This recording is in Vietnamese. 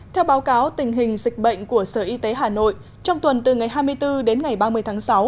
theo báo cáo tình hình dịch bệnh của sở y tế hà nội trong tuần từ ngày hai mươi bốn đến ngày ba mươi tháng sáu